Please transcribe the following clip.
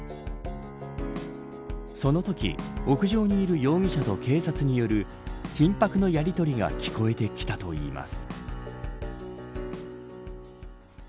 そのとき、屋上にいる容疑者と警察による緊迫のやりとりが聞こえてきたといいます。